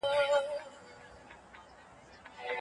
د کار نشتوالی ځوانان له هېواده لېرې کوي.